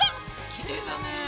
きれいだね。